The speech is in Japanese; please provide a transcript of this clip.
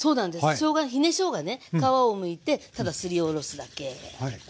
しょうがひねしょうがね皮をむいてただすりおろすだけ。